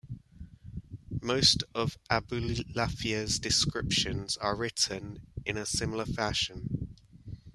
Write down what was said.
Most of Abulafia's descriptions are written in a similar fashion.